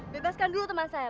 bebaskan dulu teman saya